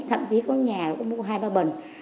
thậm chí có nhà cũng có hai ba bần